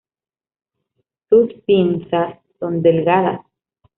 Sus pinzas son delgadas.